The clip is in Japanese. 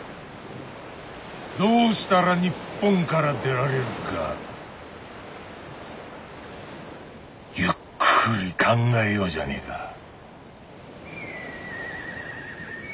どうしたら日本から出られるかゆっくり考えようじゃねえか。